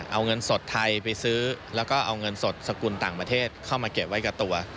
เอาเงินสดไทยไปซื้อแล้วก็เอาเงินสดสกุลต่างประเทศเข้ามาเก็บไว้กับตัว